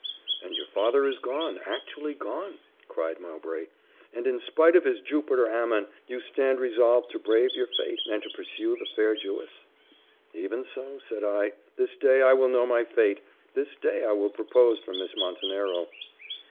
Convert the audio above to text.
"And your father is gone, actually gone," cried Mowbray; "and, in spite of his Jupiter Ammon, you stand resolved to brave your fate, and to pursue the fair Jewess?" "Even so," said I: "this day I will know my fate this day I will propose for Miss Montenero."